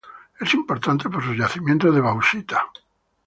Es importante por sus yacimientos de bauxita.